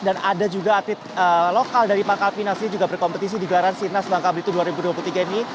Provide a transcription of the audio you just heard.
dan ada juga atlet lokal dari pangkal pinang ini juga berkompetisi di gelaran sinas bangka belitung dua ribu dua puluh tiga ini